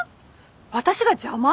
私が邪魔！？